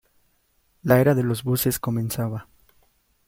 La era de los buses comenzaba.